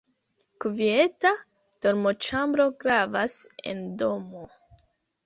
Kvieta dormoĉambro gravas en domo.